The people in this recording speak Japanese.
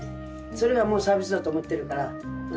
それがもうサービスだと思ってるから。